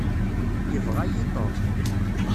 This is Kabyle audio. Yebɣa-yi Tom.